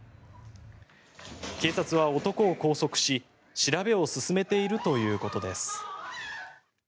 警察は男を拘束し調べを進めているということです。